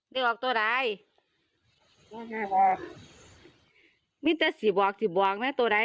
ได้บอกตัวใดตัวไหนบอกนี่จะสิบบอกสิบบอกนะตัวใด